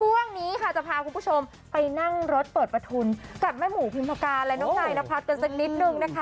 ช่วงนี้ค่ะจะพาคุณผู้ชมไปนั่งรถเปิดประทุนกับแม่หมูพิมพากาและน้องนายนพัฒน์กันสักนิดนึงนะคะ